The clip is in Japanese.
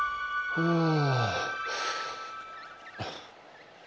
うん。